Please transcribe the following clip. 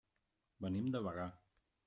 Venim de Bagà.